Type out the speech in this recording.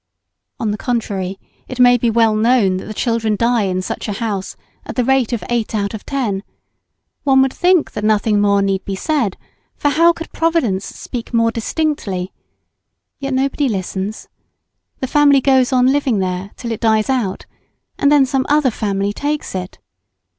On the contrary, it may be well known that the children die in such a house at the rate of 8 out of 10; one would think that nothing more need be said; for how could Providence speak more distinctly? yet nobody listens, the family goes on living there till it dies out, and then some other family takes it.